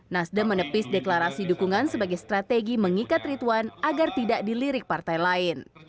nasdem menepis deklarasi dukungan sebagai strategi mengikat rituan agar tidak dilirik partai lain